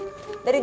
aku mau lihat